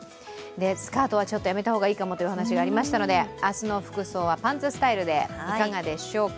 スカートはやめた方がいいかもというお話がありましたので、明日の服装はパンツスタイルでいかがでしょうか。